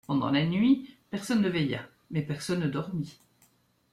Pendant la nuit, personne ne veilla, mais personne ne dormit.